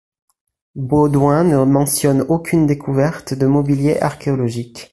Baudouin ne mentionne aucune découverte de mobilier archéologique.